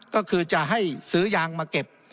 ก็คือจะให้ซื้อยางมาเก็บ